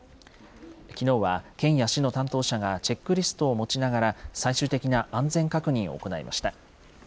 きのうは県や市の担当者がチェックリストを持ちながら、最終的な安全確認を行いました。